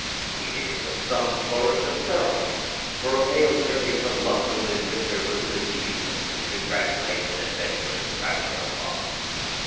He did it with some flourish of ceremony, for a mail journey from London in winter was an achievement to congratulate an adventurous traveller upon.